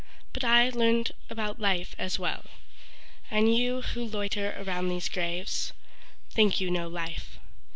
But I learned about life as well, And you who loiter around these graves Think you know life.